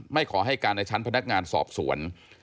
ขอให้การในชั้นพนักงานสอบสวน